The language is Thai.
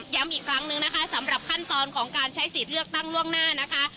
ย้ำอีกครั้งนึงนะคะสำหรับขั้นตอนของการใช้สิทธิ์เลือกตั้งล่วงหน้านะคะ